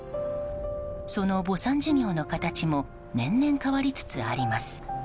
その墓参事業の形も年々、変わりつつあります。